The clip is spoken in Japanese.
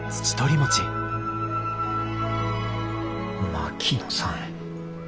槙野さん